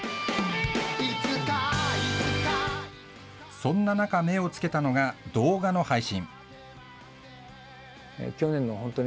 そんな中、目をつけたのが、動画の配信。